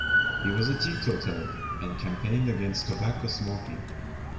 He was a teetotaler and campaigned against tobacco smoking.